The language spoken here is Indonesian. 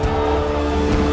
aku mau pergi